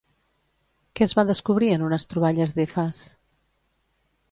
Què es va descobrir en unes troballes d'Efes?